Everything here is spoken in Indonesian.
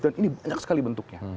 dan ini banyak sekali bentuknya